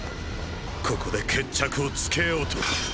ここで決着をつけようと。